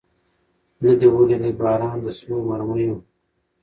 نه دي ولیدی باران د سرو مرمیو